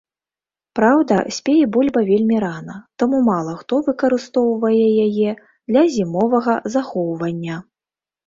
Праўда, спее бульба вельмі рана, таму мала хто выкарыстоўвае яе для зімовага захоўвання.